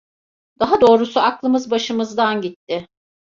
Daha doğrusu aklımız başımızdan gitti.